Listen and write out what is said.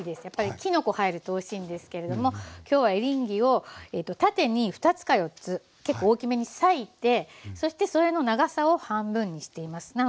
やっぱりきのこ入るとおいしいんですけれども今日はエリンギを縦に２つか４つ結構大きめに裂いてそしてそれの長さを半分にしています。